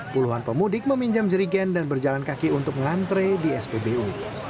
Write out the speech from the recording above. puluhan pemudik meminjam jerigen dan berjalan kaki untuk mengantre di spbu